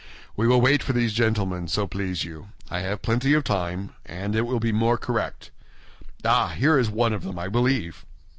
We will wait for these gentlemen, so please you; I have plenty of time, and it will be more correct. Ah, here is one of them, I believe."